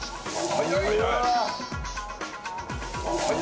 早い！